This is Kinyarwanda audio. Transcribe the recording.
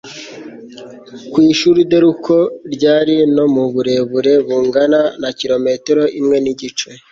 kwishuri dore ko ryari no muburebure bungana na kilometero imwe nigice